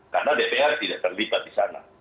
karena dpr tidak terlibat di sana